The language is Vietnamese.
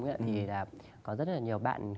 thì là có rất là nhiều bạn